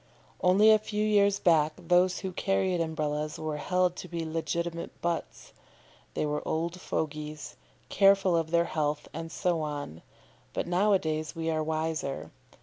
Only a few years back those who carried Umbrellas were held to be legitimate butts. They were old fogies, careful of their health, and so on; but now a days we are wiser.